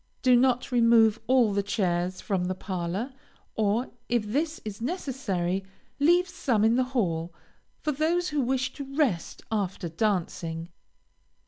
Do not remove all the chairs from the parlor; or, if this is necessary, leave some in the hall, for those who wish to rest after dancing.